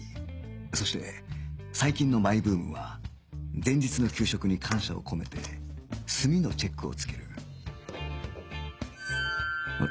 そして最近のマイブームは前日の給食に感謝を込めて「済」のチェックを付ける